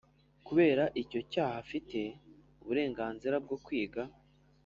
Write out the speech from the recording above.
kubera icyo cyaha afite uburenganzira bwo kwiga